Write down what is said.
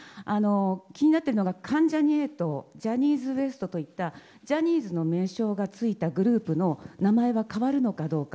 気になっているのが関ジャニ∞ジャニーズＷＥＳＴといったジャニーズの名称がついたグループの名前は変わるのかどうか。